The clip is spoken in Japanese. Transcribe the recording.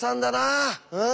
うん。